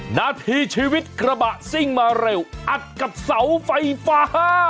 นาทีชีวิตกระบะซิ่งมาเร็วอัดกับเสาไฟฟ้า